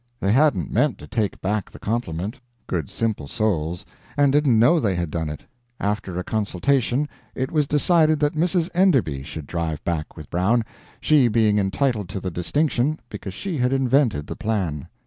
They hadn't meant to take back the compliment, good simple souls, and didn't know they had done it. After a consultation it was decided that Mrs. Enderby should drive back with Brown, she being entitled to the distinction because she had invented the plan.